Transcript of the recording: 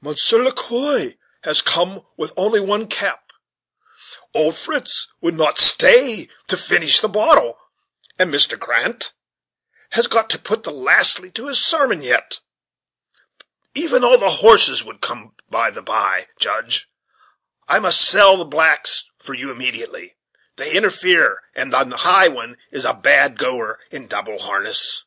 Monsieur Le Quoi has come out with only one cap; Old Fritz would not stay to finish the bottle; and Mr. Grant has got to put the 'lastly' to his sermon, yet. Even all the horses would come by the bye, Judge, I must sell the blacks for you immediately; they interfere, and the nigh one is a bad goer in double harness.